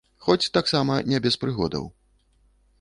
Хоць таксама не без прыгодаў.